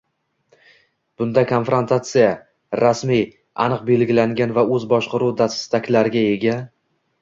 bunday konfrantatsiya – rasmiy, aniq belgilangan va o‘z boshqaruv dastaklariga ega